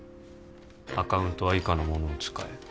「アカウントは以下のものを使え」